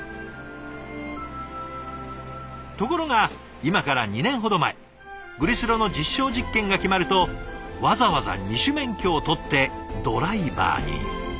ところが今から２年ほど前グリスロの実証実験が決まるとわざわざ２種免許を取ってドライバーに。